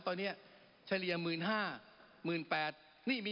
เป็นประธานหน้า๑๕๐๐๑๘๐๐๐